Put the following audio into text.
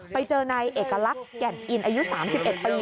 ไปเจอนายเอกลักษณ์แก่นอินอายุ๓๑ปี